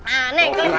aneh kamu ini